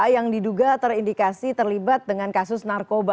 yang diduga terindikasi terlibat dengan kasus narkoba